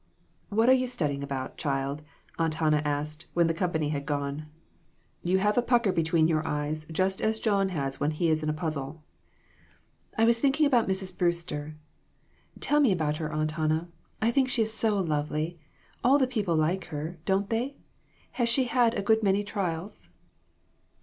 "What are you studying about, child?" Aunt Hannah asked, when the company had gone; PERSECUTION OF THE SAINTS. l8l "you have a pucker between your eyes just as John has when he's in a puzzle." " I was thinking about Mrs. Brewster. Tell me about her, Aunt Hannah. I think she is so lovely. All the people like her, don't they ? Has she had a good many trials